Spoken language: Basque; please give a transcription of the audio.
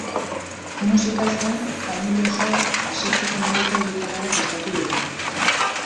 Musikaz gain, familia osoa astetzeko moduko egitaraua prestatu dute.